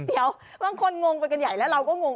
เดี๋ยวบางคนงงไปกันใหญ่แล้วเราก็งง